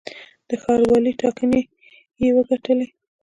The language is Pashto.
د ښاروالۍ ټاکنې یې وګټلې.